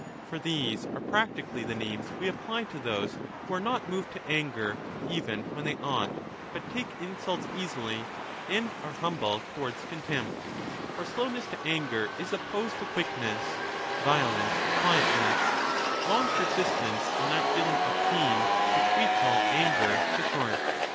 For these are practically the names we apply to those who are not moved to anger even when they ought, but take insults easily and are humble towards contempt — for slowness to anger is opposed to quickness, violence to quietness, long persistence in that feeling of pain which we 15 call anger to short.